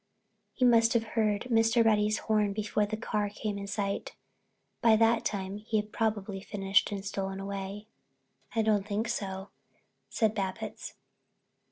"He must have heard Mr. Reddy's horn before the car came in sight. By that time he had probably finished and stolen away." "I don't think so," said Babbitts.